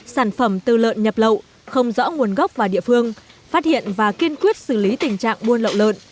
sản phẩm từ lợn nhập lậu không rõ nguồn gốc vào địa phương phát hiện và kiên quyết xử lý tình trạng buôn lậu lợn